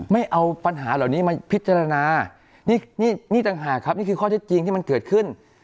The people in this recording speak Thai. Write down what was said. ไม่เอาปัญหาเหล่านี้มาพิจารณานี่นี่ต่างหากครับนี่คือข้อเท็จจริงที่มันเกิดขึ้น